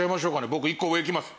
僕一個上いきます。